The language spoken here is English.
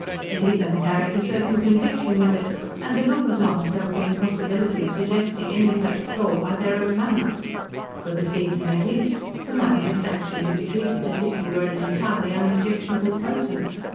It even carried a certain conviction with it, and the lookers on felt the impossibility of suggesting any such flaw by their own manner. For this evening, at least, the man must actually be treated as if he were an entirely unobjectionable person.